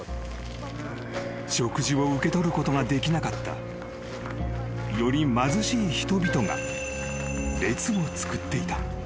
［食事を受け取ることができなかったより貧しい人々が列をつくっていた］